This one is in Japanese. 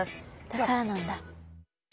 だからなんだ。